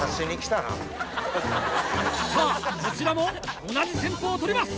さぁこちらも同じ戦法を取ります。